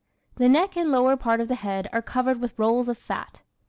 The neck and lower part of the head are covered with rolls of fat.